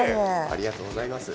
ありがとうございます。